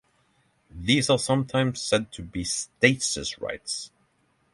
These are sometimes said to be "states' rights".